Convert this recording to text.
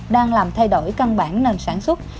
đang làm thay đổi căn bản nền sản xuất